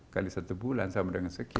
kali satu bulan sama dengan sekian